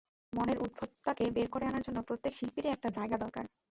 মনের উদ্ভটতাকে বের করে আনার জন্য প্রত্যেক শিল্পীর-ই একটা জায়গা দরকার।